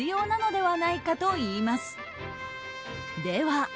では。